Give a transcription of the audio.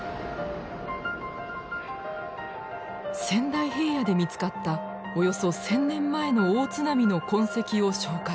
仙台平野で見つかったおよそ１，０００年前の大津波の痕跡を紹介。